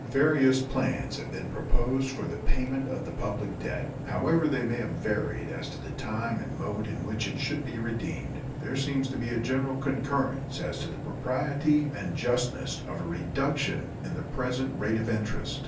Various plans have been proposed for the payment of the public debt. However they may have varied as to the time and mode in which it should be redeemed, there seems to be a general concurrence as to the propriety and justness of a reduction in the present rate of interest.